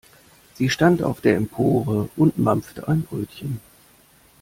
Sie stand auf der Empore und mampfte ein Brötchen.